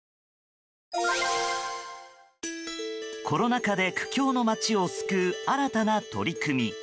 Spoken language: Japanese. コロナ禍で故郷の街を救う新たな取り組み。